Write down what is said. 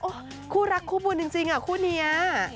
โอ้โหคู่รักคู่บุญจริงอ่ะคู่นี้